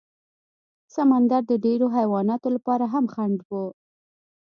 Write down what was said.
سمندر د ډېرو حیواناتو لپاره هم خنډ و.